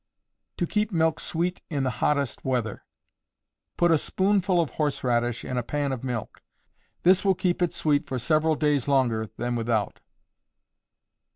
To Keep Milk Sweet in the Hottest Weather. Put a spoonful of horse radish in a pan of milk; this will keep it sweet for several days longer than without.